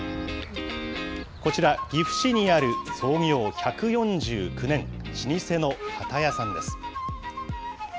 こちら、岐阜市にある、創業１４９年、老舗の旗屋さんです。